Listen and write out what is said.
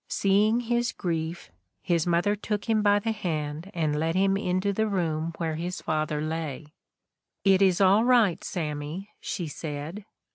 Seeing his grief, his mother took him by the hand and led him into the room where his father lay. ' It is all right, Sammy,' she said.